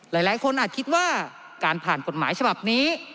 หลายคนอาจคิดว่าการผ่านกฎหมายฉบับนี้